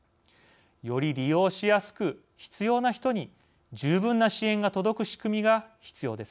より利用しやすく必要な人に十分な支援が届く仕組みが必要です。